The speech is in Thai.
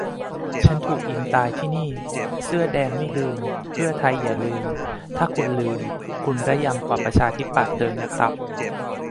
- "ฉันถูกยิงตายที่นี่" เสื้อแดงไม่ลืม เพื่อไทยอย่าลืม ถ้าคุณลืม คุณระยำกว่าประชาธิปัตย์เลยนะครับ